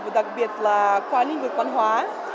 đặc biệt là qua linh vực quan hóa